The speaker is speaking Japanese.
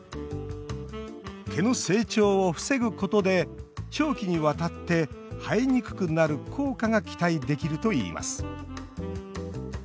毛の成長を防ぐことで長期にわたって生えにくくなる効果が期待できるといいます。